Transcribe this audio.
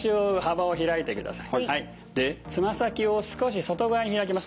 でつま先を少し外側に開きます。